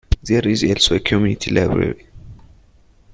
There is also a community library.